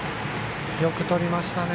よくとりましたね。